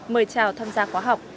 mời chào tham gia khóa học